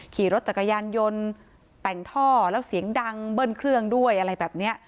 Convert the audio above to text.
ขี่รถจักรยานยนต์แต่งท่อแล้วเสียงดังเบิ้ลเครื่องด้วยอะไรแบบนี้